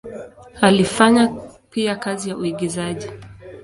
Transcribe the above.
Alifanya pia kazi ya uigizaji.